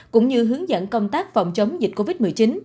cũng như hướng dẫn công tác phòng chống dịch covid một mươi chín